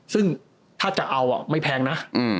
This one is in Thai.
ซึ่งถ้าจะเอาไม่แพงนะ